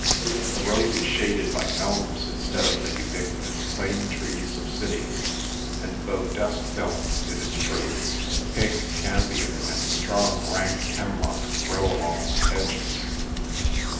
The road is shaded by elms instead of the ubiquitous plane trees of cities, and, though dust filmed, it is true, pink campion and strong, rank hemlock grow along the hedges.